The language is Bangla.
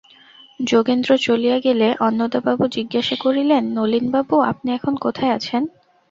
যোগেন্দ্র চলিয়া গেলে অন্নদাবাবু জিজ্ঞাসা করিলেন, নলিনবাবু, আপনি এখন কোথায় আছেন?